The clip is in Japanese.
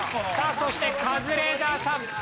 さあそしてカズレーザーさん。